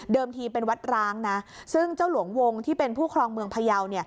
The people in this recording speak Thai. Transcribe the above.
ทีเป็นวัดร้างนะซึ่งเจ้าหลวงวงที่เป็นผู้ครองเมืองพยาว